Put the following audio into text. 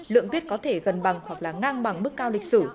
lượng tuyết có thể gần bằng hoặc là ngang bằng mức cao lịch sử